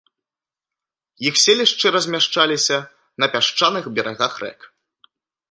Іх селішчы размяшчаліся на пясчаных берагах рэк.